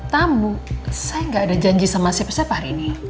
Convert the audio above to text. tamu saya gak ada janji sama siapa hari ini